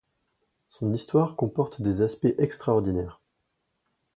Son histoire comporte des aspects extraordinaires.